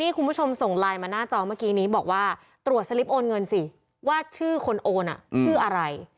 คุณผู้ชมส่งไลน์มาหน้าจอเมื่อกี้นี้บอกว่าตรวจสลิปโอนเงินสิว่าชื่อคนโอนชื่ออะไร